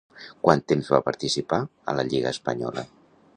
Quant temps va participar a la Lliga espanyola?